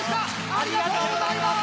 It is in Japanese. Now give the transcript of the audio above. ありがとうございます！